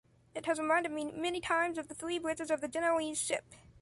It has reminded me many times of the three bridges of the Genoese ship.